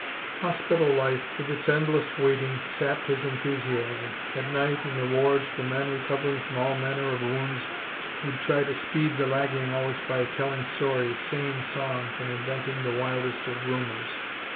Hospital life, with its endless waiting, sapped his enthusiasm. At night, in the wards, the men recovering from all manner of wounds would try to speed the lagging hours by telling stories, singing songs, and inventing the wildest of rumors.